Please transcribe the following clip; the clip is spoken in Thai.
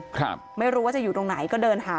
มีแต่เสียงตุ๊กแก่กลางคืนไม่กล้าเข้าห้องน้ำด้วยซ้ำ